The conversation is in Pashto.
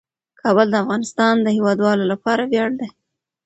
کابل د افغانستان د هیوادوالو لپاره ویاړ دی.